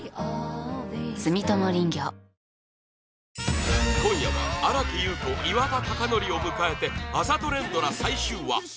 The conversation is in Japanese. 続く今夜は新木優子岩田剛典を迎えてあざと連ドラ最終話